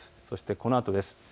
そしてこのあとです。